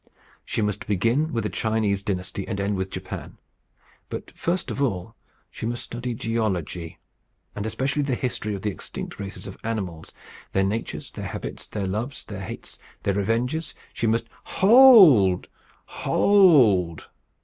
She must begin with the Chinese dynasty and end with Japan. But first of all she must study geology, and especially the history of the extinct races of animals their natures, their habits, their loves, their hates, their revenges. She must " "Hold, h o o old!"